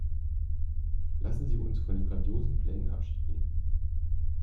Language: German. Lassen Sie uns von den grandiosen Plänen Abschied nehmen.